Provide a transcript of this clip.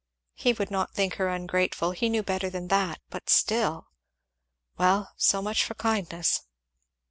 He would not think her ungrateful, he knew better than that, but still Well! so much for kindness!